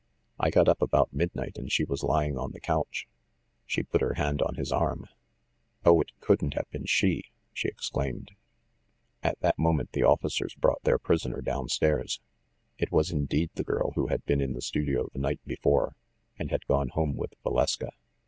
"I got up about midnight, and she was lying on the couch." She put her hand on his arm. "Oh, it couldn't have been she!" she exclaimed. At that moment the officers brought their prisoner down stairs. It was indeed the girl who had been in the studio the night before, and had gone home with Valeska.